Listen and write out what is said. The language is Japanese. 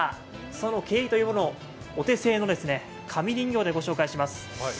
その経緯というものをお手製の紙人形でご紹介します。